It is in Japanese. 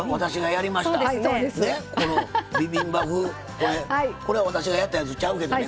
これこれ私がやったやつちゃうけどね。